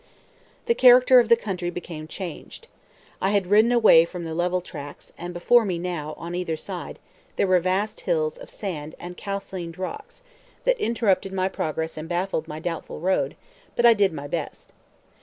The character of the country became changed. I had ridden away from the level tracts, and before me now, and on either side, there were vast hills of sand and calcined rocks, that interrupted my progress and baffled my doubtful road, but I did my best.